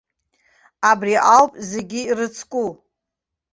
Абри ауп зегьы ирыцку.